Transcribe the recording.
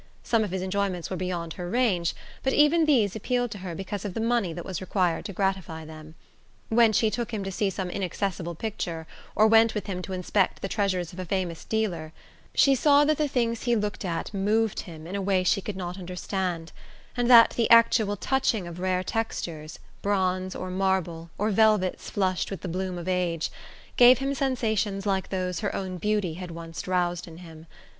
Some of his enjoyments were beyond her range, but even these appealed to her because of the money that was required to gratify them. When she took him to see some inaccessible picture, or went with him to inspect the treasures of a famous dealer, she saw that the things he looked at moved him in a way she could not understand, and that the actual touching of rare textures bronze or marble, or velvets flushed with the bloom of age gave him sensations like those her own beauty had once roused in him.